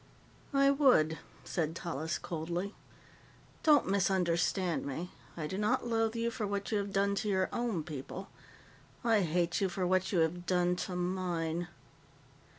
"I would," said Tallis coldly. "Don't misunderstand me. I do not loathe you for what you have done to your own people; I hate you for what you have done to mine."